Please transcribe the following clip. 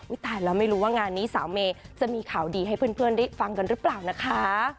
ตายแล้วไม่รู้ว่างานนี้สาวเมย์จะมีข่าวดีให้เพื่อนได้ฟังกันหรือเปล่านะคะ